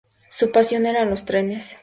Su pasión eran los trenes.